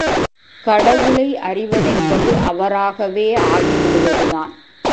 கடவுளை அறிவதென்பது அவராகவே ஆகிவிடுவதுதான்.